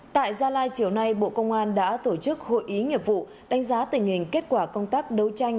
tại gia lai chiều nay bộ công an đã tổ chức hội ý nghiệp vụ đánh giá tình hình kết quả công tác đấu tranh